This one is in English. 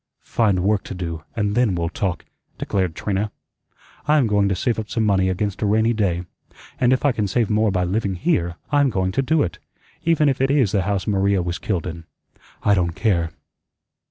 "Find work to do, and then we'll talk," declared Trina. "I'M going to save up some money against a rainy day; and if I can save more by living here I'm going to do it, even if it is the house Maria was killed in. I don't care."